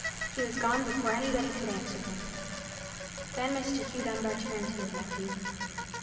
"He was gone before any body could answer him. "Then Mr. Hugh Dunbar turned to his nephew.